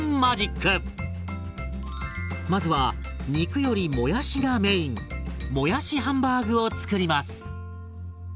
まずは肉よりもやしがメインもやしハンバーグを作ります。